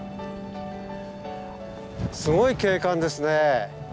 すごい景観ですね。